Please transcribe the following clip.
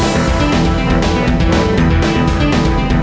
kenapa yang gadoran